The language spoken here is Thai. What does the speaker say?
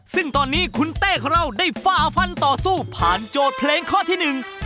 ซึ่งตอนนี้คุณเต้ของเราได้ฝ่าฟันต่อสู้ผ่านโจทย์เพลงข้อที่หนึ่ง